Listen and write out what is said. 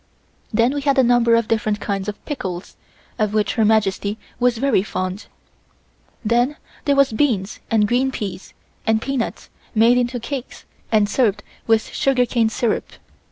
Then we had a number of different kinds of pickles, of which Her Majesty was very fond. Then there was beans and green peas, and peanuts made into cakes and served with sugarcane syrup.